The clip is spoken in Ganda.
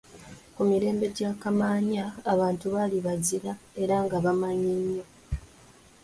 Ku mirembe gya Kamaanya abantu baali bazira era nga ba maanyi nnyo.